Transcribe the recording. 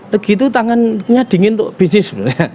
legi itu tangannya dingin untuk bisnis sebenarnya